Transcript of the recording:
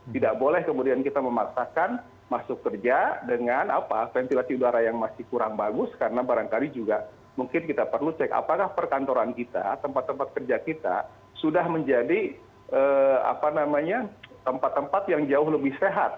tidak boleh kemudian kita memaksakan masuk kerja dengan ventilasi udara yang masih kurang bagus karena barangkali juga mungkin kita perlu cek apakah perkantoran kita tempat tempat kerja kita sudah menjadi tempat tempat yang jauh lebih sehat